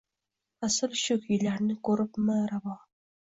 Fasl shu kuylarni ko‘ribmi ravo